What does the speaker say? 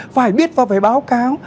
phải biết và phải báo cáo